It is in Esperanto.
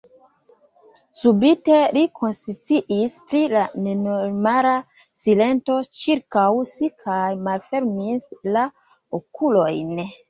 Subite li konsciis pri la nenormala silento ĉirkaŭ si kaj malfermis la okulojn.